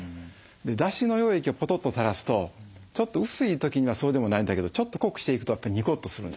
だしの溶液をポトッとたらすとちょっと薄い時にはそうでもないんだけどちょっと濃くしていくとニコッとするんです。